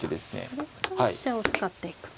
それから飛車を使っていくと。